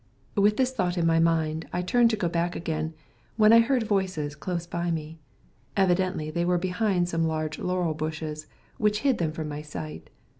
With this thought in my mind I turned to go back again, when I heard voices close by me. Evidently they were behind some large laurel bushes which hid them from my sight.